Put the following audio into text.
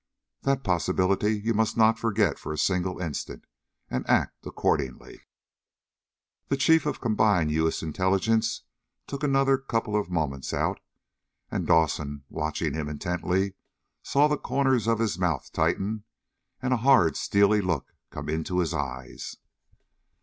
That possibility you must not forget for a single instant, and act accordingly." The Chief of Combined U.S. Intelligence took another couple of moments out, and Dawson, watching him intently, saw the corners of his mouth tighten, and a hard, steely look come into his eyes.